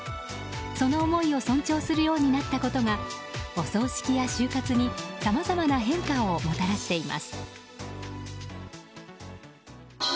その思いを尊重するようになったことがお葬式や終活にさまざまな変化をもたらしています。